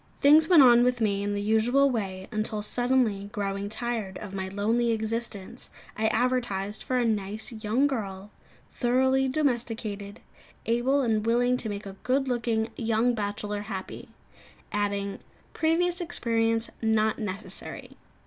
Things went on with me in the usual way until, suddenly growing tired of my lonely existence, I advertised for "a nice young girl, thoroughly domesticated, able and willing to make a good looking young bachelor happy;" adding, "Previous experience not necessary."